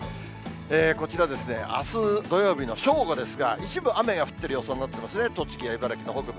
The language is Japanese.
こちらですね、あす土曜日の正午ですが、一部、雨が降ってる予想になってますね、栃木や茨城の北部。